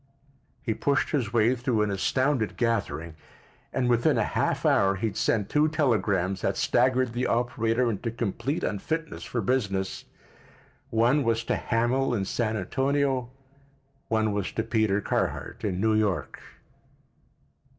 He pushed his way through an astounded gathering, and within a half hour he had sent two telegrams that staggered the operator into complete unfitness for business; one was to Hamil in San Antonio; one was to Peter Carhart in New York.